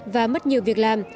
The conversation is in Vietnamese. và mất nhiều việc làm